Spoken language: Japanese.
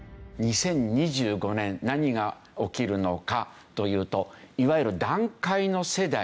２０２５年何が起きるのか？というといわゆる団塊の世代。